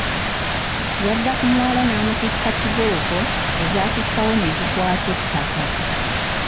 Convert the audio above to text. Yadda ku muwala n’amutikka kibooko ezaafikkawo ne zikwata ettaka.